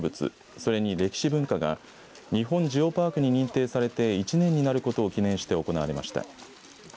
それに歴史文化が日本ジオパークに認定されて１年になることを記念して行われました。